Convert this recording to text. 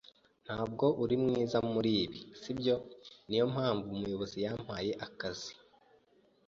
"Ntabwo uri mwiza kuri ibi, si byo?" "Niyo mpamvu umuyobozi yampaye akazi."